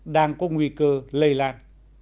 đang có nguy cơ lây lan